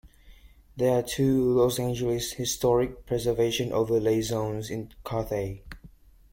There are two Los Angeles Historic Preservation Overlay Zones in Carthay.